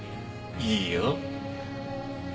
いいよ。